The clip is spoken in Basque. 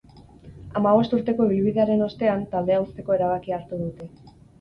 Hamabost urteko ibilbidearen ostean, taldea uzteko erabakia hartu dute.